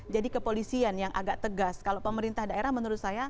jadi kepolisian yang agak tegas kalau pemerintah daerah menurut saya masih ya